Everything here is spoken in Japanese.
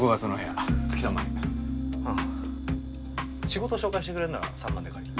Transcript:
仕事紹介してくれんなら３万で借りる。